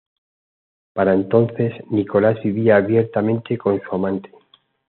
Para entonces, Nicolás vivía abiertamente con su amante.